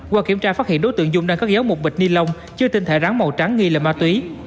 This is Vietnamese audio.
qua kiểm tra phát hiện đối tượng dung đang cất giấu một bịch ni lông chưa tinh thể rắn màu trắng nghi là ma túy